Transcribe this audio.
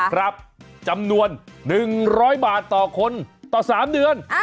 ครับจำนวน๑๐๐บาทต่อคนต่อ๓เดือน